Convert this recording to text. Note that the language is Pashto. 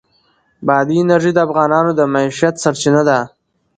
بادي انرژي د افغانانو د معیشت سرچینه ده.